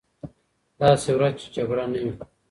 داسې ورځ چې جګړه نه وي.